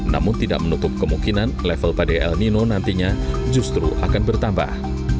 namun tidak menutup kemungkinan level pada el nino nantinya justru akan bertambah